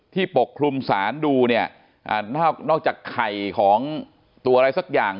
ปกคลุมสารดูเนี่ยนอกจากไข่ของตัวอะไรสักอย่าง